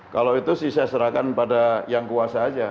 kalau itu sih saya serahkan pada yang kuasa aja